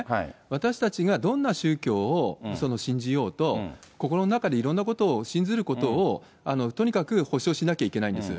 私たちがどんな宗教を信じようと、心の中でいろんなことを信ずることを、とにかく保障しなきゃいけないんです。